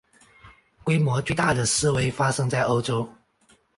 规模最大的示威发生在欧洲。